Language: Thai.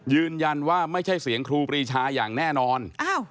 ยืนยันว่าไม่ใช่เสียงครูปรีชาอย่างแน่นอน